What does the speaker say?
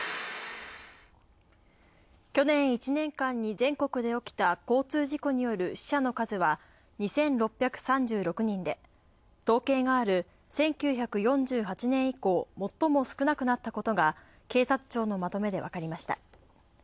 去年１年間に全国で起きた交通事故による死者の数は２６３６人で統計がある１９４８年以降もっとも少なくなったことが警察庁のまとめでわかりました。